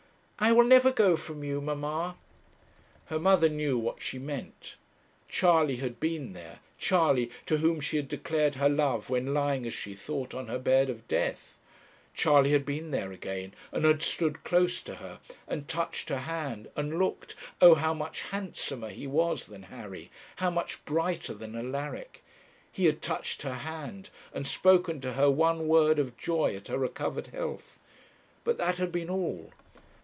'I will never go from you, mamma.' Her mother knew what she meant. Charley had been there, Charley to whom she had declared her love when lying, as she thought, on her bed of death Charley had been there again, and had stood close to her, and touched her hand, and looked oh, how much handsomer he was than Harry, how much brighter than Alaric! he had touched her hand, and spoken to her one word of joy at her recovered health. But that had been all.